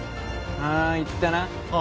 ああ言ったなあ